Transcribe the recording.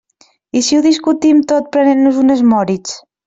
I si ho discutim tot prenent-nos unes Moritz?